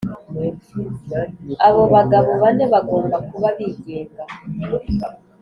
abo bagabo bane bagomba kuba bigenga